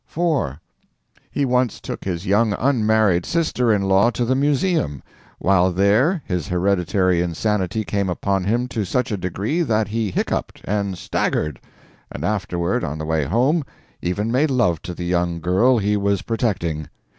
"4. He once took his young unmarried sister in law to the museum; while there his hereditary insanity came upon him to such a degree that he hiccupped and staggered; and afterward, on the way home, even made love to the young girl he was protecting.